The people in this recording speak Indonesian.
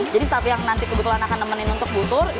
jadi staff yang nanti kebetulan akan nemenin untuk butur